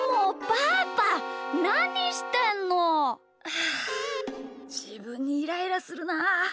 ああじぶんにイライラするなあ！